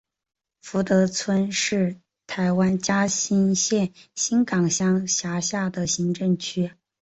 福德村是台湾嘉义县新港乡辖下的行政区。